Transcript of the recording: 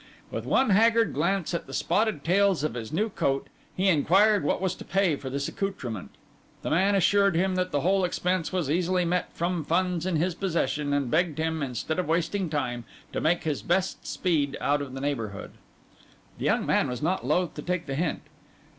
With one haggard glance at the spotted tails of his new coat, he inquired what was to pay for this accoutrement. The man assured him that the whole expense was easily met from funds in his possession, and begged him, instead of wasting time, to make his best speed out of the neighbourhood. The young man was not loath to take the hint.